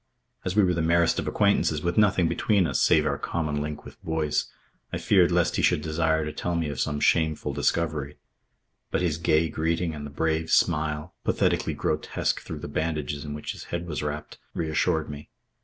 As we were the merest of acquaintances with nothing between us save our common link with Boyce, I feared lest he should desire to tell me of some shameful discovery. But his gay greeting and the brave smile, pathetically grotesque through the bandages in which his head was wrapped, reassured me.